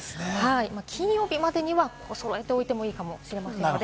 金曜日までには揃えておいていいかもしれませんね。